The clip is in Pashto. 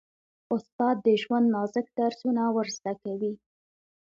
استاد د ژوند نازک درسونه ور زده کوي.